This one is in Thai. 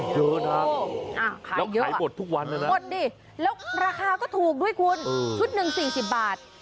เยอะนะแล้วขายหมดทุกวันนะนะหมดดิแล้วราคาก็ถูกด้วยคุณชุดหนึ่ง๔๐บาท